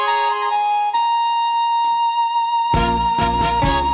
ใกล้ตาได้ยินมันล่าเสียงไกล